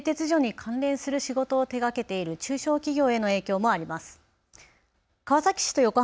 さらにＶＴＲで紹介したように製鉄所に関連する仕事を手がけている中小企業への影響もあります。